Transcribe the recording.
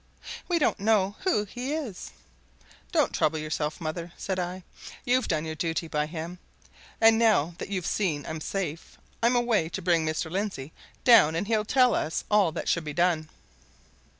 "We don't know who he is!" "Don't trouble yourself, mother," said I. "You've done your duty by him. And now that you've seen I'm safe, I'm away to bring Mr. Lindsey down and he'll tell us all that should be done."